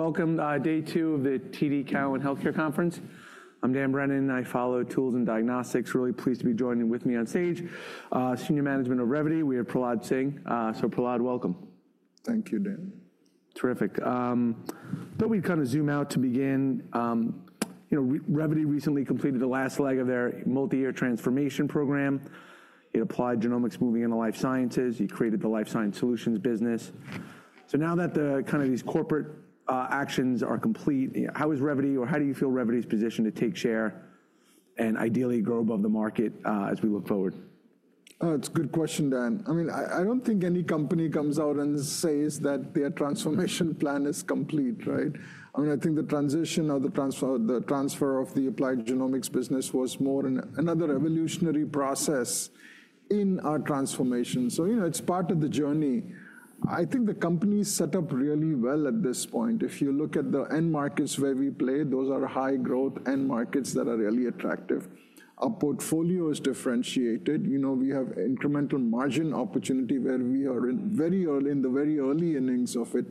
Welcome to day two of the TD Cowen Healthcare Conference. I'm Dan Brennan. I follow tools and diagnostics. I'm really pleased to be joined by senior management of Revvity. We have Prahlad Singh, so Prahlad, welcome. Thank you, Dan. Terrific, but we'd kind of zoom out to begin. Revvity recently completed the last leg of their multi-year transformation program. It Applied Genomics moving into life sciences. You created the Life Science Solutions business, so now that the kind of these corporate actions are complete, how is Revvity or how do you feel Revvity's position to take share and ideally grow above the market as we look forward? It's a good question, Dan. I mean, I don't think any company comes out and says that their transformation plan is complete. I mean, I think the transition of the transfer of the Applied Genomics business was more another evolutionary process in our transformation. So it's part of the journey. I think the company is set up really well at this point. If you look at the end markets where we play, those are high growth end markets that are really attractive. Our portfolio is differentiated. We have incremental margin opportunity where we are very early in the very early innings of it.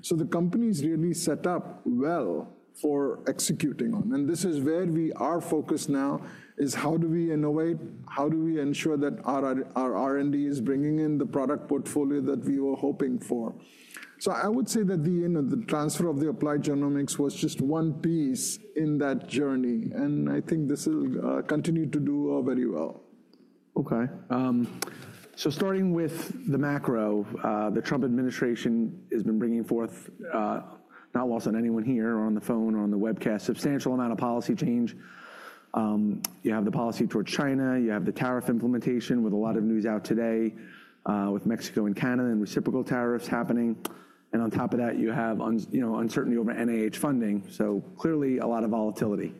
So the company is really set up well for executing on. And this is where we are focused now is how do we innovate? How do we ensure that our R&D is bringing in the product portfolio that we were hoping for? So I would say that the transfer of the Applied Genomics was just one piece in that journey. And I think this will continue to do very well. OK. So starting with the macro, the Trump administration has been bringing forth, not lost on anyone here or on the phone or on the webcast, substantial amount of policy change. You have the policy towards China. You have the tariff implementation with a lot of news out today with Mexico and Canada and reciprocal tariffs happening. And on top of that, you have uncertainty over NIH funding. So clearly a lot of volatility.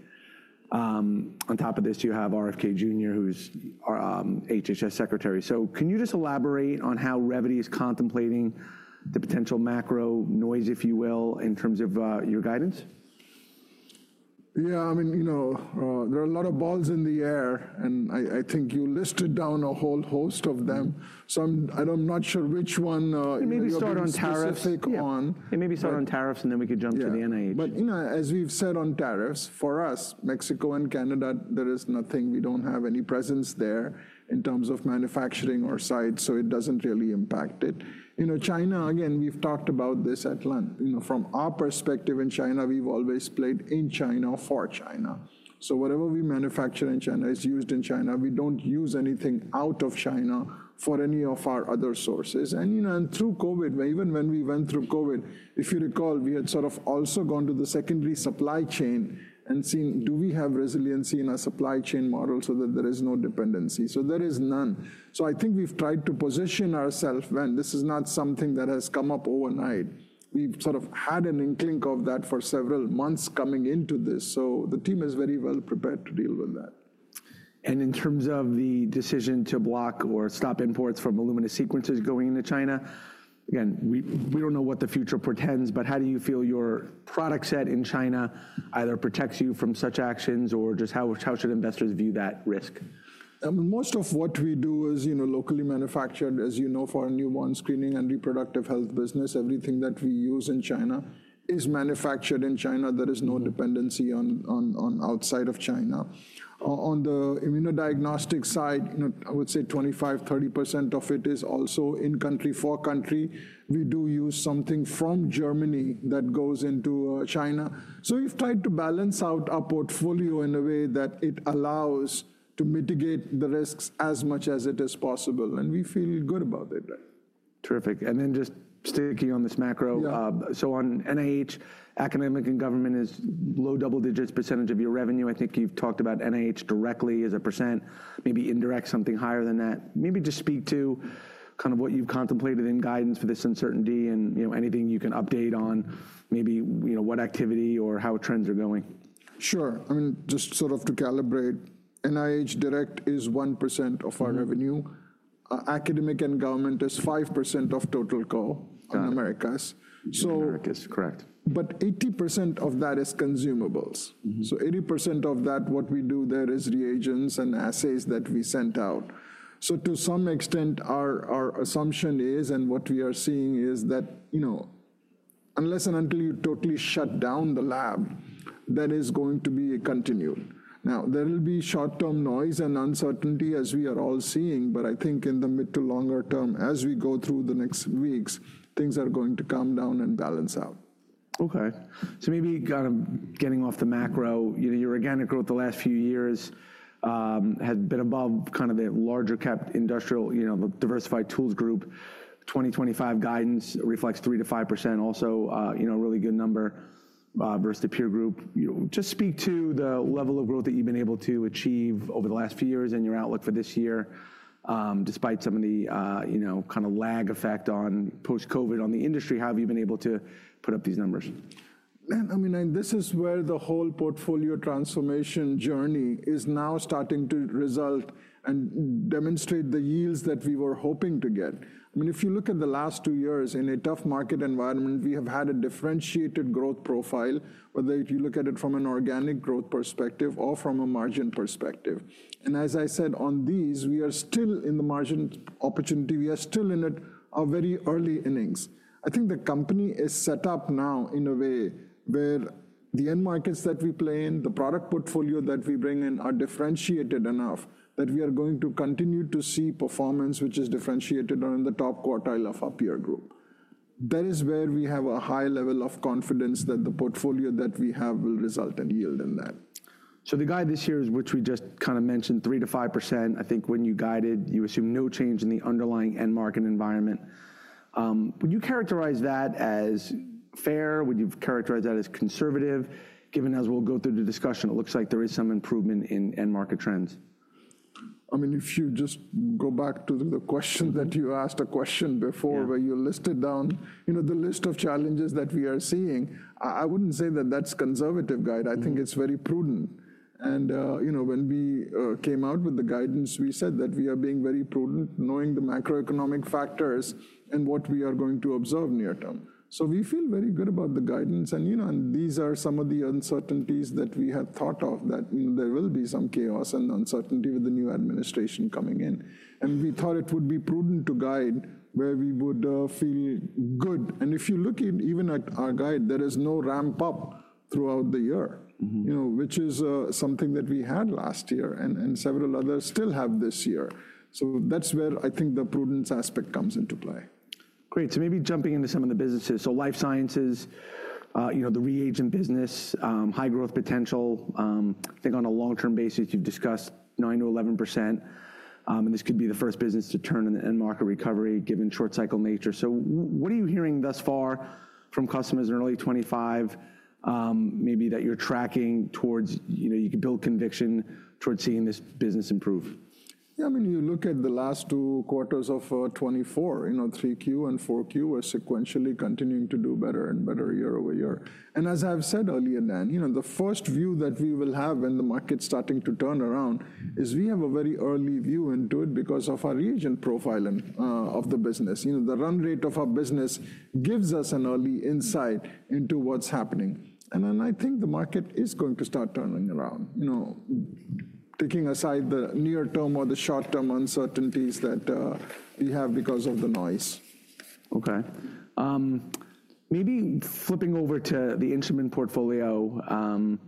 On top of this, you have RFK Jr., who is HHS Secretary. So can you just elaborate on how Revvity is contemplating the potential macro noise, if you will, in terms of your guidance? Yeah. I mean, there are a lot of balls in the air. And I think you listed down a whole host of them. So I'm not sure which one. You maybe start on tariffs. Specific on. It may be, start on tariffs, and then we could jump to the NIH. But as we've said on tariffs, for us, Mexico and Canada, there is nothing. We don't have any presence there in terms of manufacturing or site. So it doesn't really impact it. China, again, we've talked about this at length. From our perspective in China, we've always played in China for China. So whatever we manufacture in China is used in China. We don't use anything out of China for any of our other sources. And through COVID, even when we went through COVID, if you recall, we had sort of also gone to the secondary supply chain and seen do we have resiliency in our supply chain model so that there is no dependency. So there is none. So I think we've tried to position ourselves when this is not something that has come up overnight. We've sort of had an inkling of that for several months coming into this, so the team is very well prepared to deal with that. In terms of the decision to block or stop imports from Illumina sequencers going into China, again, we don't know what the future portends. How do you feel your product set in China either protects you from such actions or just how should investors view that risk? Most of what we do is locally manufactured. As you know, for a Newborn Screening and Reproductive Health business, everything that we use in China is manufactured in China. There is no dependency on outside of China. On the immunodiagnostic side, I would say 25%-30% of it is also in country, for country. We do use something from Germany that goes into China. So we've tried to balance out our portfolio in a way that it allows to mitigate the risks as much as it is possible. And we feel good about it. Terrific. And then just sticking on this macro, so on NIH, academic and government is low double digits% of your revenue. I think you've talked about NIH directly as a %, maybe indirect something higher than that. Maybe just speak to kind of what you've contemplated in guidance for this uncertainty and anything you can update on, maybe what activity or how trends are going. Sure. I mean, just sort of to calibrate, NIH direct is 1% of our revenue. Academic and government is 5% of total rev in Americas. In Americas, correct. But 80% of that is consumables. So 80% of that, what we do there is reagents and assays that we sent out. So to some extent, our assumption is, and what we are seeing is that unless and until you totally shut down the lab, that is going to be continued. Now, there will be short-term noise and uncertainty, as we are all seeing. But I think in the mid to longer term, as we go through the next weeks, things are going to come down and balance out. OK. So maybe kind of getting off the macro, your organic growth the last few years has been above kind of the larger capped industrial, the diversified tools group. 2025 guidance reflects 3%-5%, also a really good number versus the peer group. Just speak to the level of growth that you've been able to achieve over the last few years and your outlook for this year, despite some of the kind of lag effect on post-COVID on the industry. How have you been able to put up these numbers? I mean, this is where the whole portfolio transformation journey is now starting to result and demonstrate the yields that we were hoping to get. I mean, if you look at the last two years, in a tough market environment, we have had a differentiated growth profile, whether you look at it from an organic growth perspective or from a margin perspective. And as I said, on these, we are still in the margin opportunity. We are still in our very early innings. I think the company is set up now in a way where the end markets that we play in, the product portfolio that we bring in are differentiated enough that we are going to continue to see performance which is differentiated on the top quartile of our peer group. That is where we have a high level of confidence that the portfolio that we have will result in yield in that. So the guide this year is, which we just kind of mentioned, 3%-5%. I think when you guided, you assumed no change in the underlying end market environment. Would you characterize that as fair? Would you characterize that as conservative? Given as we'll go through the discussion, it looks like there is some improvement in end market trends. I mean, if you just go back to the question that you asked a question before where you listed down the list of challenges that we are seeing. I wouldn't say that that's conservative, Guy. I think it's very prudent, and when we came out with the guidance, we said that we are being very prudent, knowing the macroeconomic factors and what we are going to observe near term, so we feel very good about the guidance, and these are some of the uncertainties that we had thought of that there will be some chaos and uncertainty with the new administration coming in, and we thought it would be prudent to guide where we would feel good, and if you look even at our guide, there is no ramp up throughout the year, which is something that we had last year and several others still have this year. That's where I think the prudence aspect comes into play. Great. So maybe jumping into some of the businesses. So life sciences, the reagent business, high growth potential. I think on a long-term basis, you've discussed 9%-11%. And this could be the first business to turn in the end market recovery given short-cycle nature. So what are you hearing thus far from customers in early 2025, maybe that you're tracking towards you could build conviction towards seeing this business improve? Yeah. I mean, you look at the last two quarters of 2024, 3Q and 4Q were sequentially continuing to do better and better year over year. And as I've said earlier, Dan, the first view that we will have when the market's starting to turn around is we have a very early view into it because of our reagent profile of the business. The run rate of our business gives us an early insight into what's happening. And I think the market is going to start turning around, taking aside the near-term or the short-term uncertainties that we have because of the noise. OK. Maybe flipping over to the instrument portfolio.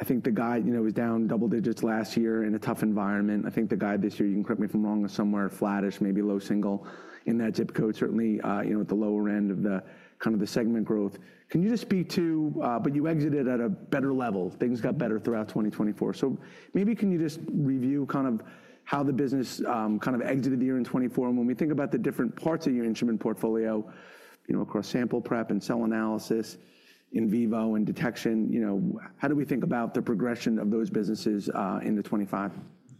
I think the guide was down double digits last year in a tough environment. I think the guide this year, you can correct me if I'm wrong, is somewhere flattish, maybe low single in that zip code, certainly at the lower end of the kind of the segment growth. Can you just speak to, but you exited at a better level. Things got better throughout 2024. So maybe can you just review kind of how the business kind of exited the year in 2024? And when we think about the different parts of your instrument portfolio across sample prep and cell analysis, in vivo and detection, how do we think about the progression of those businesses in the 2025?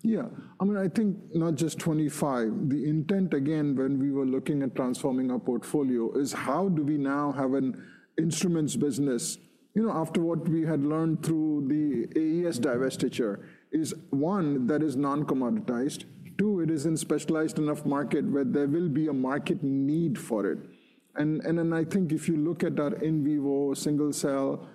Yeah. I mean, I think not just 2025. The intent, again, when we were looking at transforming our portfolio is how do we now have an instruments business after what we had learned through the AES divestiture is, one, that is non-commoditized. Two, it is in specialized enough market where there will be a market need for it. And I think if you look at our in vivo single cell,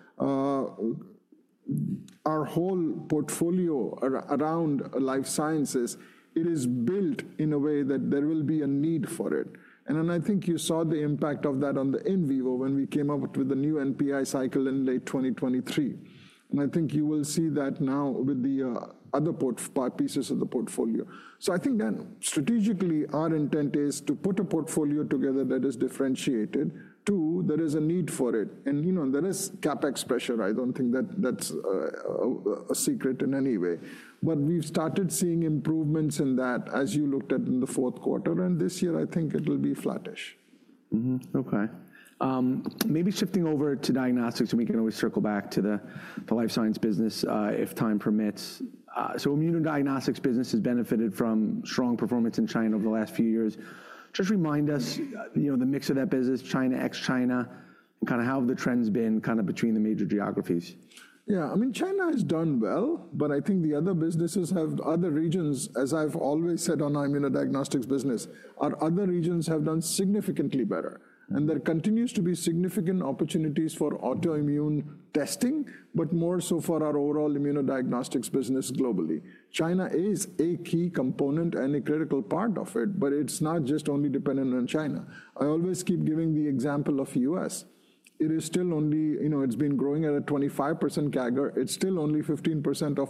our whole portfolio around life sciences, it is built in a way that there will be a need for it. And I think you saw the impact of that on the in vivo when we came up with the new NPI cycle in late 2023. And I think you will see that now with the other pieces of the portfolio. So I think, Dan, strategically, our intent is to put a portfolio together that is differentiated. Two, there is a need for it. And there is CapEx pressure. I don't think that's a secret in any way. But we've started seeing improvements in that as you looked at in the Q4. And this year, I think it will be flattish. OK. Maybe shifting over to diagnostics, and we can always circle back to the life science business if time permits. So immunodiagnostics business has benefited from strong performance in China over the last few years. Just remind us the mix of that business, China ex China, and kind of how have the trends been kind of between the major geographies? Yeah. I mean, China has done well. But I think the other businesses have other regions, as I've always said on our immunodiagnostics business, our other regions have done significantly better. And there continues to be significant opportunities for autoimmune testing, but more so for our overall immunodiagnostics business globally. China is a key component and a critical part of it. But it's not just only dependent on China. I always keep giving the example of the US. It is still only, it's been growing at a 25% CAGR. It's still only 15%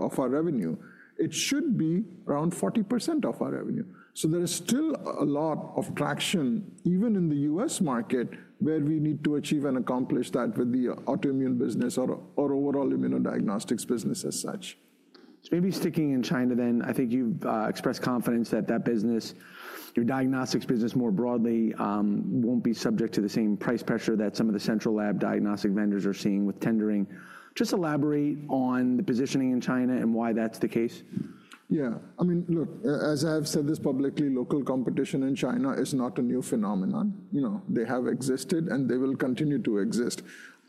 of our revenue. It should be around 40% of our revenue. So there is still a lot of traction, even in the US market, where we need to achieve and accomplish that with the autoimmune business or overall immunodiagnostics business as such. So maybe sticking in China, then, I think you've expressed confidence that that business, your diagnostics business more broadly, won't be subject to the same price pressure that some of the central lab diagnostic vendors are seeing with tendering. Just elaborate on the positioning in China and why that's the case. Yeah. I mean, look, as I have said this publicly, local competition in China is not a new phenomenon. They have existed, and they will continue to exist.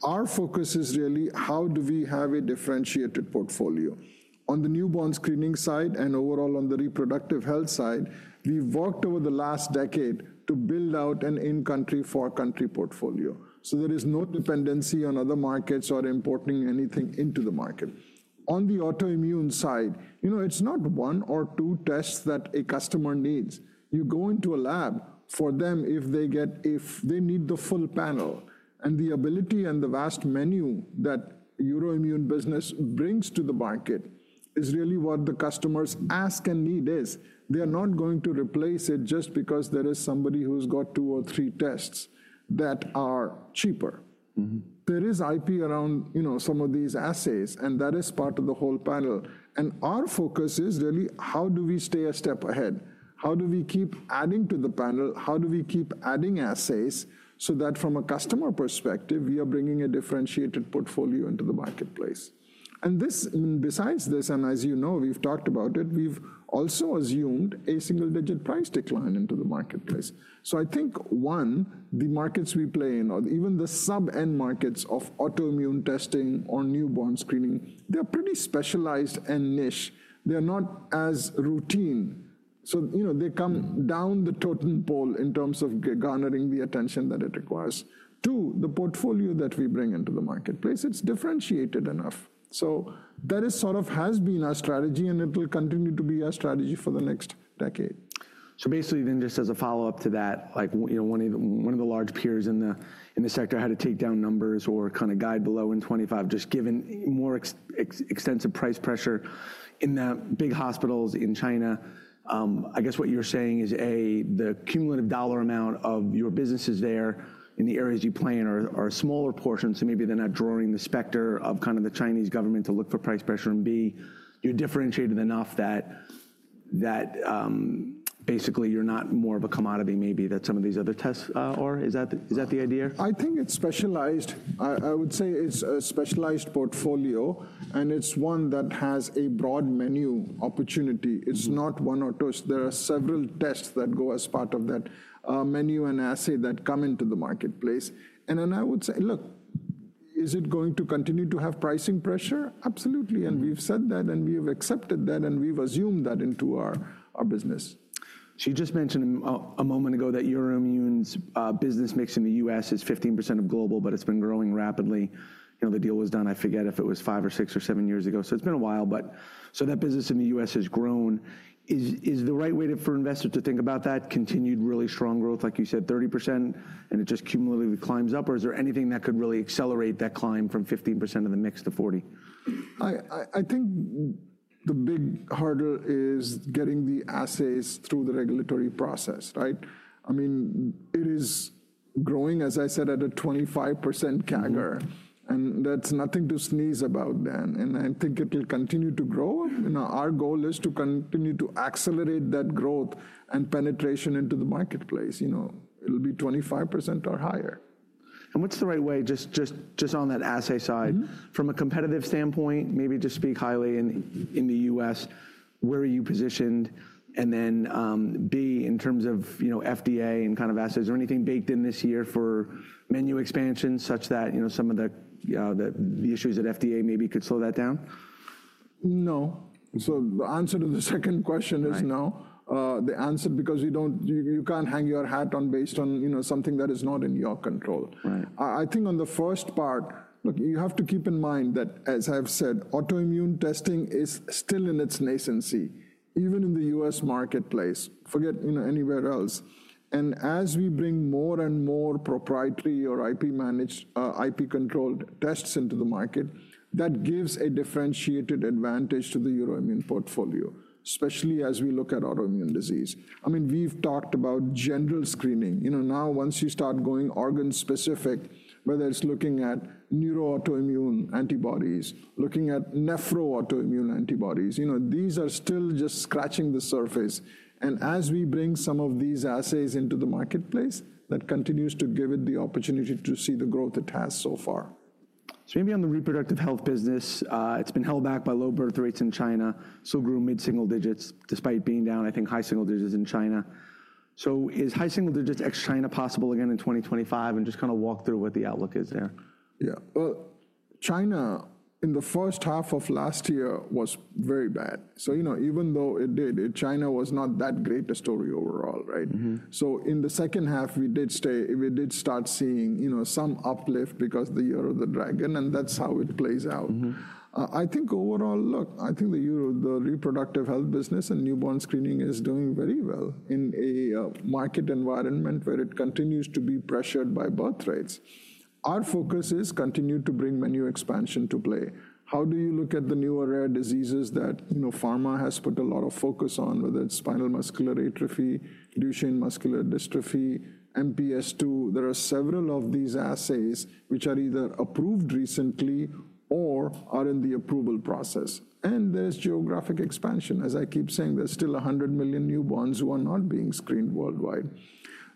Our focus is really how do we have a differentiated portfolio. On the Newborn Screening side and overall on the Reproductive Health side, we've worked over the last decade to build out an in-country, for-country portfolio. So there is no dependency on other markets or importing anything into the market. On the autoimmune side, it's not one or two tests that a customer needs. You go into a lab for them if they need the full panel. And the ability and the vast menu that the autoimmune business brings to the market is really what the customer's ask and need is. They are not going to replace it just because there is somebody who's got two or three tests that are cheaper. There is IP around some of these assays, and that is part of the whole panel, and our focus is really how do we stay a step ahead? How do we keep adding to the panel? How do we keep adding assays so that from a customer perspective, we are bringing a differentiated portfolio into the marketplace, and besides this, and as you know, we've talked about it, we've also assumed a single-digit price decline into the marketplace, so I think, one, the markets we play in, or even the sub-end markets of autoimmune testing or Newborn Screening, they're pretty specialized and niche. They're not as routine, so they come down the totem pole in terms of garnering the attention that it requires. Two, the portfolio that we bring into the marketplace, it's differentiated enough, so that sort of has been our strategy. It will continue to be our strategy for the next decade. So basically, then, just as a follow-up to that, one of the large peers in the sector had to take down numbers or kind of guide below in 2025, just given more extensive price pressure in the big hospitals in China. I guess what you're saying is, A, the cumulative dollar amount of your businesses there in the areas you play in are a smaller portion. So maybe they're not drawing the specter of kind of the Chinese government to look for price pressure. And B, you're differentiated enough that basically you're not more of a commodity, maybe, that some of these other tests are. Is that the idea? I think it's specialized. I would say it's a specialized portfolio. And it's one that has a broad menu opportunity. It's not one or two. There are several tests that go as part of that menu and assay that come into the marketplace. And then I would say, look, is it going to continue to have pricing pressure? Absolutely. And we've said that. And we have accepted that. And we've assumed that into our business. So you just mentioned a moment ago that your immuno business mix in the U.S. is 15% of global, but it's been growing rapidly. The deal was done, I forget if it was five or six or seven years ago. So it's been a while. But so that business in the U.S. has grown. Is the right way for investors to think about that continued really strong growth, like you said, 30%, and it just cumulatively climbs up? Or is there anything that could really accelerate that climb from 15% of the mix to 40%? I think the big hurdle is getting the assays through the regulatory process, right? I mean, it is growing, as I said, at a 25% CAGR. And that's nothing to sneeze about, Dan. And I think it will continue to grow. And our goal is to continue to accelerate that growth and penetration into the marketplace. It'll be 25% or higher. And what's the right way, just on that assay side, from a competitive standpoint, maybe to speak highly in the US, where are you positioned? And then B, in terms of FDA and kind of assets, is there anything baked in this year for menu expansion such that some of the issues at FDA maybe could slow that down? No. So the answer to the second question is no. The answer, because you can't hang your hat on based on something that is not in your control. I think on the first part, look, you have to keep in mind that, as I've said, autoimmune testing is still in its nascency, even in the U.S. marketplace. Forget anywhere else. And as we bring more and more proprietary or IP-controlled tests into the market, that gives a differentiated advantage to the autoimmune portfolio, especially as we look at autoimmune disease. I mean, we've talked about general screening. Now, once you start going organ-specific, whether it's looking at neuroautoimmune antibodies, looking at nephroautoimmune antibodies, these are still just scratching the surface. And as we bring some of these assays into the marketplace, that continues to give it the opportunity to see the growth it has so far. So maybe on the Reproductive Health business, it's been held back by low birth rates in China. Still grew mid-single digits despite being down, I think, high single digits in China. So is high single digits ex China possible again in 2025? And just kind of walk through what the outlook is there. Yeah. Well, China in the first half of last year was very bad. So even though it did, China was not that great a story overall, right? So in the second half, we did start seeing some uplift because of the Year of the Dragon. And that's how it plays out. I think overall, look, I think the Reproductive Health business and Newborn Screening is doing very well in a market environment where it continues to be pressured by birth rates. Our focus is to continue to bring menu expansion to play. How do you look at the newer rare diseases that pharma has put a lot of focus on, whether it's spinal muscular atrophy, Duchenne muscular dystrophy, MPS II? There are several of these assays which are either approved recently or are in the approval process. And there's geographic expansion. As I keep saying, there's still 100 million newborns who are not being screened worldwide.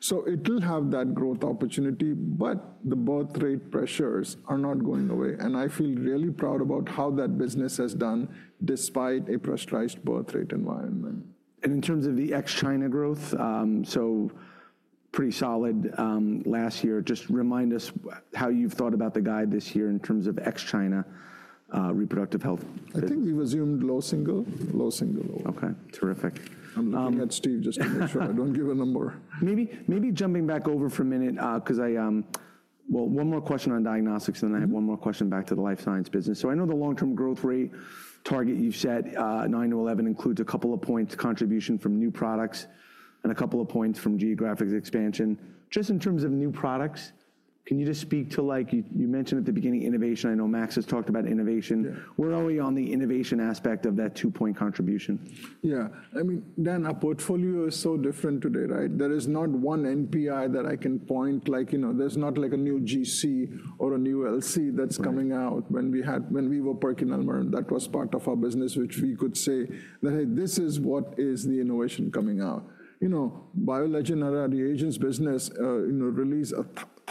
So it will have that growth opportunity. But the birth rate pressures are not going away. And I feel really proud about how that business has done despite a pressurized birth rate environment. And in terms of the ex China growth, so pretty solid last year. Just remind us how you've thought about the guide this year in terms of ex China Reproductive Health? I think we've assumed low single, low single. OK. Terrific. I'm looking at Steve just to make sure I don't give a number. Maybe jumping back over for a minute, because, well, one more question on diagnostics. Then I have one more question back to the life science business. I know the long-term growth rate target you've set, 9%-11%, includes a couple of points contribution from new products and a couple of points from geographic expansion. Just in terms of new products, can you just speak to, like you mentioned at the beginning, innovation? I know Max has talked about innovation. Where are we on the innovation aspect of that two-point contribution? Yeah. I mean, Dan, our portfolio is so different today, right? There is not one NPI that I can point. There's not like a new GC or a new LC that's coming out. When we were PerkinElmer, that was part of our business, which we could say that this is what is the innovation coming out. BioLegend are our reagents business, release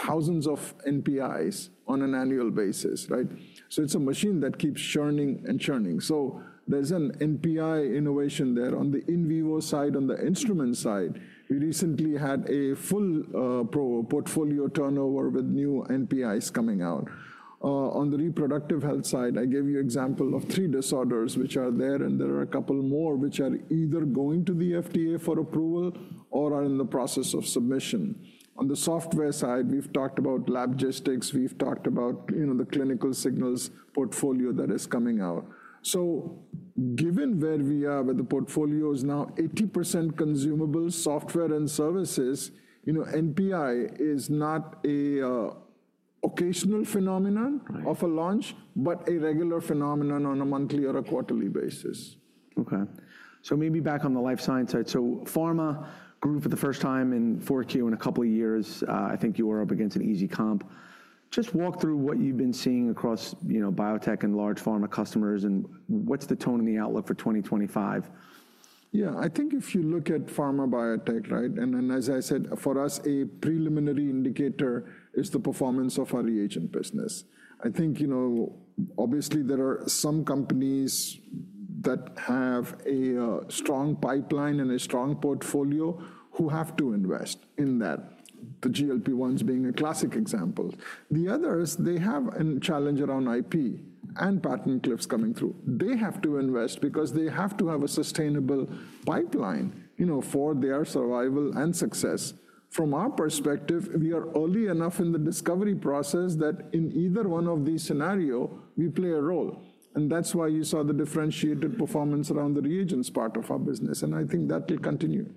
thousands of NPIs on an annual basis, right? So it's a machine that keeps churning and churning. So there's an NPI innovation there on the in vivo side. On the instrument side, we recently had a full portfolio turnover with new NPIs coming out. On the Reproductive Health side, I gave you an example of three disorders which are there. And there are a couple more which are either going to the FDA for approval or are in the process of submission. On the software side, we've talked about lab logistics. We've talked about the Clinical Signals portfolio that is coming out. So given where we are with the portfolio is now 80% consumable software and services, NPI is not an occasional phenomenon of a launch, but a regular phenomenon on a monthly or a quarterly basis. OK. So maybe back on the life science side. So pharma grew for the first time in 4Q in a couple of years. I think you were up against an easy comp. Just walk through what you've been seeing across biotech and large pharma customers. And what's the tone and the outlook for 2025? Yeah. I think if you look at pharma biotech, right, and as I said, for us, a preliminary indicator is the performance of our reagent business. I think obviously there are some companies that have a strong pipeline and a strong portfolio who have to invest in that, the GLP-1s being a classic example. The others, they have a challenge around IP and patent cliffs coming through. They have to invest because they have to have a sustainable pipeline for their survival and success. From our perspective, we are early enough in the discovery process that in either one of these scenarios, we play a role. And that's why you saw the differentiated performance around the reagents part of our business. And I think that will continue.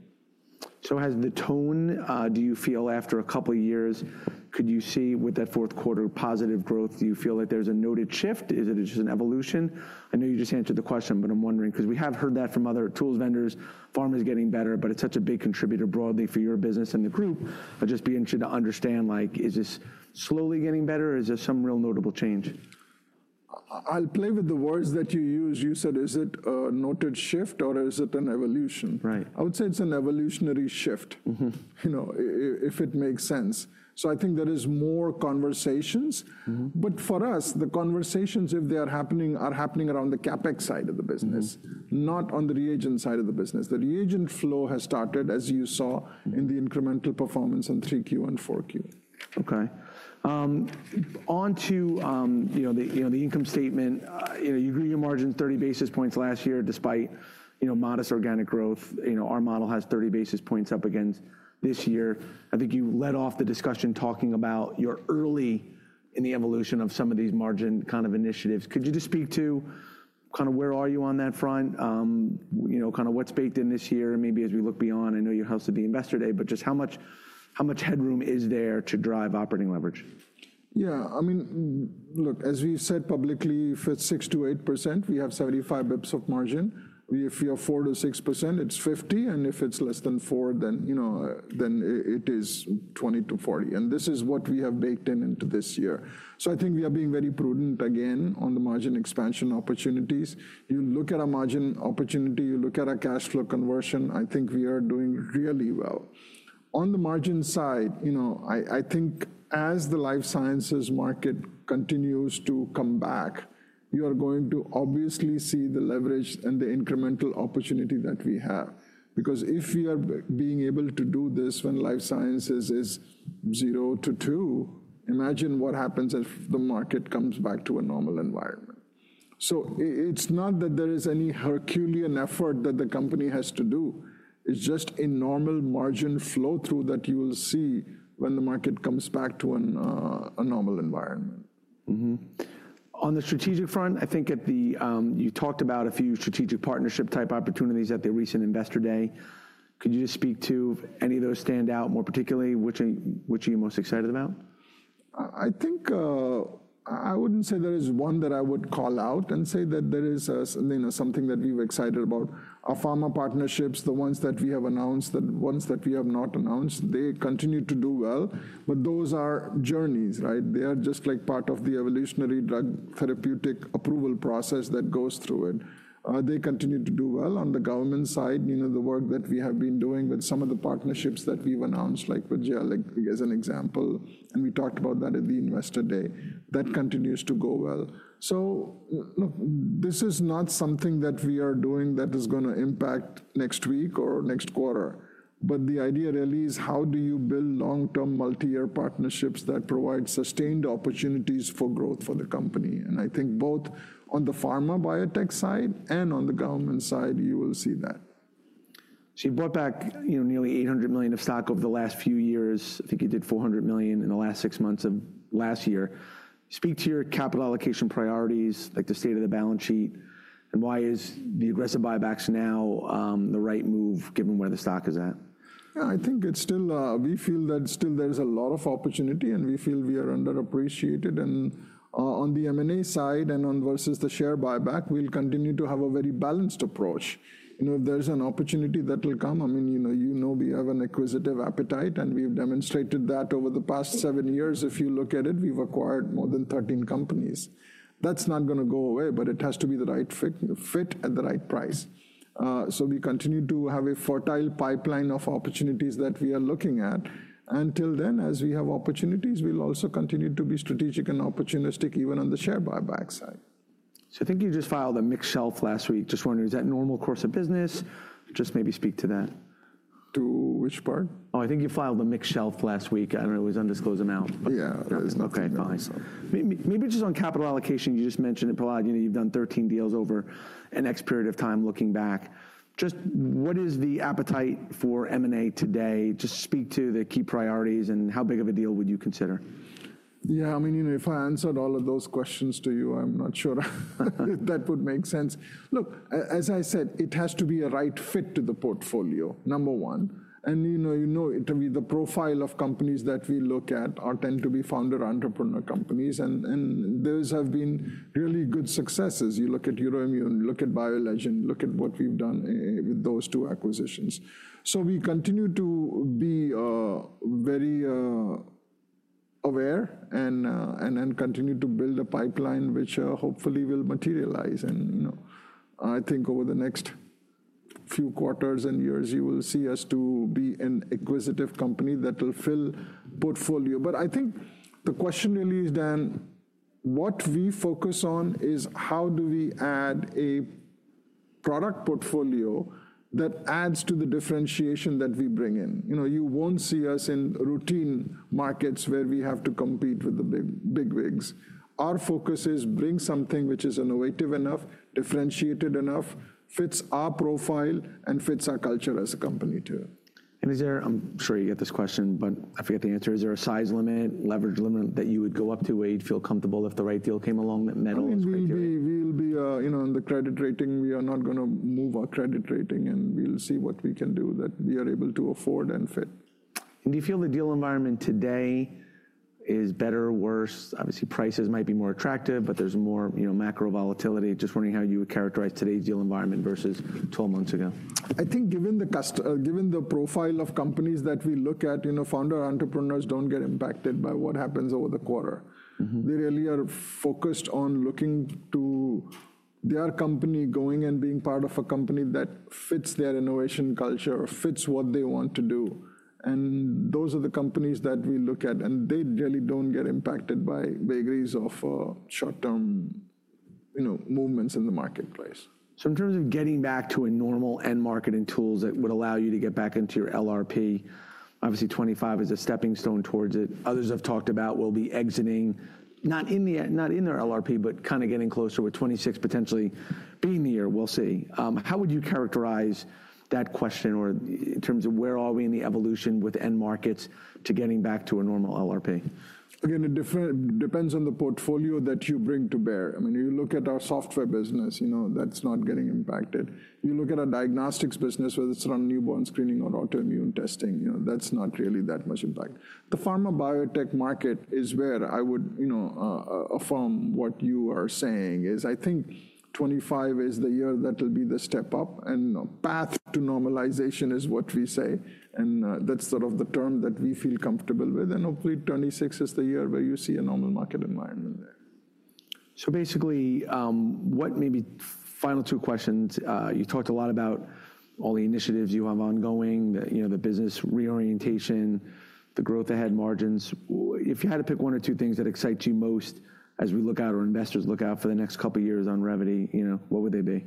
So, has the tone, do you feel after a couple of years, could you see with that Q4 positive growth, do you feel like there's a noted shift? Is it just an evolution? I know you just answered the question, but I'm wondering, because we have heard that from other tools vendors, pharma is getting better. But it's such a big contributor broadly for your business and the group. But just being sure to understand, is this slowly getting better? Or is there some real notable change? I'll play with the words that you use. You said, is it a noted shift? Or is it an evolution? Right. I would say it's an evolutionary shift, if it makes sense. So I think there are more conversations. But for us, the conversations, if they are happening, are happening around the CapEx side of the business, not on the reagent side of the business. The reagent flow has started, as you saw, in the incremental performance in Q3 and Q4. OK. On to the income statement. You grew your margin 30 basis points last year despite modest organic growth. Our model has 30 basis points up against this year. I think you led off the discussion talking about you're early in the evolution of some of these margin kind of initiatives. Could you just speak to kind of where are you on that front? Kind of what's baked in this year? And maybe as we look beyond, I know you hosted the Investor Day, but just how much headroom is there to drive operating leverage? Yeah. I mean, look, as we said publicly, if it's 6%-8%, we have 75 basis points of margin. If you're 4%-6%, it's 50%. And if it's less than 4%, then it is 20%-40%. And this is what we have baked into this year. So I think we are being very prudent again on the margin expansion opportunities. You look at our margin opportunity. You look at our cash flow conversion. I think we are doing really well. On the margin side, I think as the life sciences market continues to come back, you are going to obviously see the leverage and the incremental opportunity that we have. Because if we are being able to do this when life sciences is 0%-2%, imagine what happens if the market comes back to a normal environment. So it's not that there is any Herculean effort that the company has to do. It's just a normal margin flow through that you will see when the market comes back to a normal environment. On the strategic front, I think you talked about a few strategic partnership type opportunities at the recent Investor Day. Could you just speak to any of those stand out more particularly? Which are you most excited about? I think I wouldn't say there is one that I would call out and say that there is something that we were excited about. Our pharma partnerships, the ones that we have announced, the ones that we have not announced, they continue to do well. But those are journeys, right? They are just like part of the evolutionary drug therapeutic approval process that goes through it. They continue to do well. On the government side, the work that we have been doing with some of the partnerships that we've announced, like with Genomics England as an example, and we talked about that at the Investor Day, that continues to go well. So this is not something that we are doing that is going to impact next week or next quarter. But the idea really is how do you build long-term multi-year partnerships that provide sustained opportunities for growth for the company? I think both on the pharma biotech side and on the government side, you will see that. You bought back nearly $800 million of stock over the last few years. I think you did $400 million in the last six months of last year. Speak to your capital allocation priorities, like the state of the balance sheet. Why is the aggressive buybacks now the right move given where the stock is at? Yeah. I think we feel that still there is a lot of opportunity. And we feel we are underappreciated. And on the M&A side and versus the share buyback, we'll continue to have a very balanced approach. If there's an opportunity that will come, I mean, you know we have an acquisitive appetite. And we've demonstrated that over the past seven years. If you look at it, we've acquired more than 13 companies. That's not going to go away. But it has to be the right fit at the right price. So we continue to have a fertile pipeline of opportunities that we are looking at. Until then, as we have opportunities, we'll also continue to be strategic and opportunistic even on the share buyback side. I think you just filed a mixed shelf last week. Just wondering, is that normal course of business? Just maybe speak to that. To which part? Oh, I think you filed a mixed shelf last week. I don't know. It was undisclosed amount. Yeah. OK. Fine. Maybe just on capital allocation, you just mentioned it. You've done 13 deals over an X period of time looking back. Just what is the appetite for M&A today? Just speak to the key priorities and how big of a deal would you consider? Yeah. I mean, if I answered all of those questions to you, I'm not sure that would make sense. Look, as I said, it has to be a right fit to the portfolio, number one. And you know the profile of companies that we look at are tend to be founder entrepreneur companies. And those have been really good successes. You look at Euroimmun, look at BioLegend, look at what we've done with those two acquisitions. So we continue to be very aware and continue to build a pipeline which hopefully will materialize. And I think over the next few quarters and years, you will see us to be an acquisitive company that will fill the portfolio. But I think the question really is, Dan, what we focus on is how do we add a product portfolio that adds to the differentiation that we bring in? You won't see us in routine markets where we have to compete with the big wigs. Our focus is bring something which is innovative enough, differentiated enough, fits our profile, and fits our culture as a company too. Is there—I'm sure you get this question, but I forget the answer—is there a size limit, leverage limit that you would go up to where you'd feel comfortable if the right deal came along that met all those criteria? We'll be in the credit rating. We are not going to move our credit rating, and we'll see what we can do that we are able to afford and fit. And do you feel the deal environment today is better or worse? Obviously, prices might be more attractive. But there's more macro volatility. Just wondering how you would characterize today's deal environment versus 12 months ago. I think given the profile of companies that we look at, founder entrepreneurs don't get impacted by what happens over the quarter. They really are focused on looking to their company going and being part of a company that fits their innovation culture, fits what they want to do. And those are the companies that we look at. And they really don't get impacted by vagaries of short-term movements in the marketplace. So in terms of getting back to a normal end market in tools that would allow you to get back into your LRP, obviously 2025 is a stepping stone towards it. Others I've talked about will be exiting, not in their LRP, but kind of getting closer with 2026 potentially being the year. We'll see. How would you characterize that question in terms of where are we in the evolution with end markets to getting back to a normal LRP? Again, it depends on the portfolio that you bring to bear. I mean, you look at our software business, that's not getting impacted. You look at our diagnostics business, whether it's around Newborn Screening or autoimmune testing, that's not really that much impact. The pharma biotech market is where I would affirm what you are saying is I think 2025 is the year that will be the step up, and path to normalization is what we say, and that's sort of the term that we feel comfortable with, and hopefully, 2026 is the year where you see a normal market environment there. So basically, what may be the final two questions. You talked a lot about all the initiatives you have ongoing, the business reorientation, the growth ahead, margins. If you had to pick one or two things that excite you most as we look out or investors look out for the next couple of years on revenue, what would they be?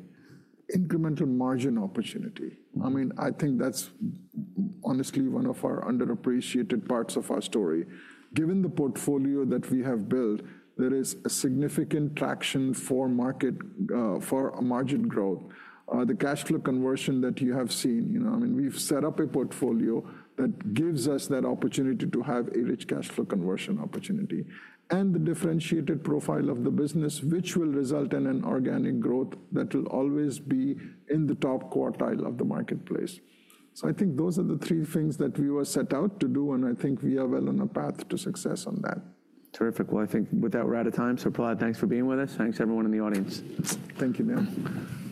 Incremental margin opportunity. I mean, I think that's honestly one of our underappreciated parts of our story. Given the portfolio that we have built, there is a significant traction for market for margin growth. The cash flow conversion that you have seen, I mean, we've set up a portfolio that gives us that opportunity to have a rich cash flow conversion opportunity. And the differentiated profile of the business, which will result in an organic growth that will always be in the top quartile of the marketplace. So I think those are the three things that we were set out to do. And I think we are well on a path to success on that. Terrific. Well, I think we're about out of time. So Prahlad, thanks for being with us. Thanks, everyone in the audience. Thank you, Dan.